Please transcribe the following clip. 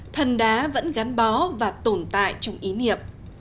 thần đá vẫn gắn bó và tồn tại trong ý niệm